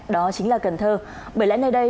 đó chính là cần thơ bởi lễ này đây